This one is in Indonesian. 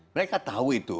mereka tahu itu